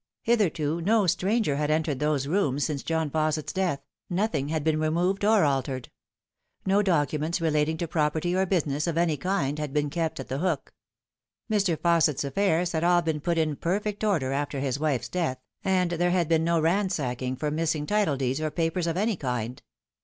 Hitherto no stranger had entered those rooms since John Fausset's death, nothing had been removed or altered. No documents relating to property or business of any kind had been kept at The Hook. Mr. Fausset's affairs had all been put in perfect order after his wife's death, and there had been no ransacking for missing title deeds or papers of any kind.